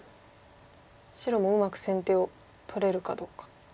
白もうまく先手を取れるかどうか。